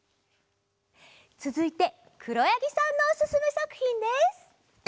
つづいてくろやぎさんのおすすめさくひんです。